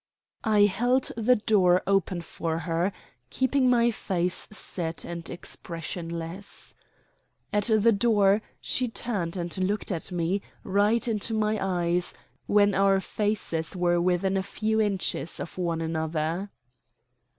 I held the door open for her, keeping my face set and expressionless. At the door she turned and looked at me, right into my eyes, when our faces were within a few inches of one another.